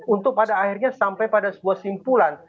untuk pada akhirnya sampai pada sebuah simpulan